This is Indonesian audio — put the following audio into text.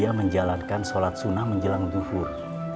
dia menjalankan sholat sunnah menjelang duhur